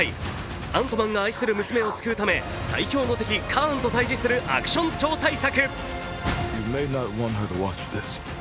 アントマンが愛する娘を救うため最凶の敵・カーンと対峙するアクション超大作。